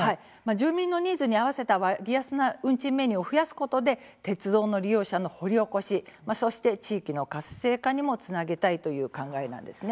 住民のニーズに合わせた割安な運賃メニューを増やすことで鉄道の利用者の掘り起こしそして地域の活性化にもつなげたいという考えなんです。